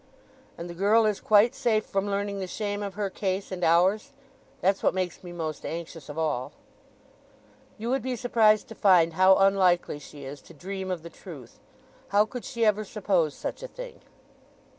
"And the girl is quite safe from learning the shame of her case and ours?—that's what makes me most anxious of all." "You would be surprised to find how unlikely she is to dream of the truth. How could she ever suppose such a thing?"